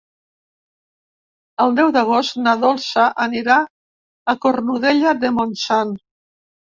El deu d'agost na Dolça anirà a Cornudella de Montsant.